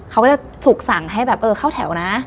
เขาก็จะถูกสั่งให้แบบเออเข้าแถวนะ